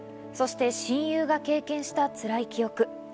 そして親友が経験したつらい記憶。